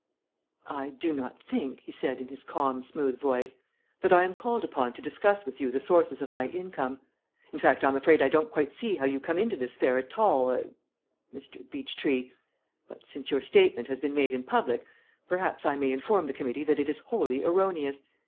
"I do not think," he said, in his calm, smooth voice, "that I am called upon to discuss with you the sources of my income. In fact, I'm afraid I don't quite see how you come into this affair at all er Mr. Beechtree. But, since your statement has been made in public, perhaps I may inform the committee that it is wholly erroneous.